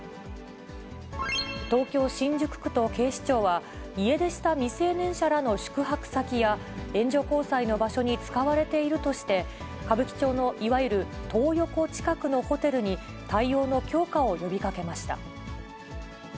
東京・新宿区と警視庁は、家出した未成年者らの宿泊先や、援助交際の場所に使われているとして、歌舞伎町のいわゆるトー横近くのホテルに、対応の強化を呼びかけました。